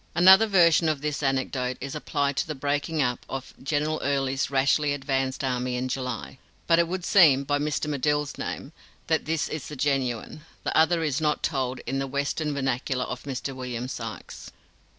Another version of this anecdote is applied to the breaking up of General Early's rashly advanced army in July; but it would seem, by Mr. Medill's name, that this is the genuine; the other is not told in the Western vernacular of Mr. William Sykes.)